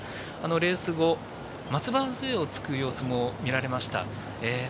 レース後松葉づえをつく様子も見られました。